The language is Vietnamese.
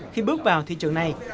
khi bước vào thị trường này